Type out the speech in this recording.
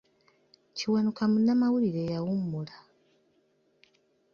Kiwanuka munnamawulire eyawummula.